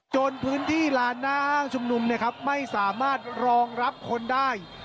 จนพื้นที่ลานหน้าห้างชุมนุมไม่สามารถรองรับคนได้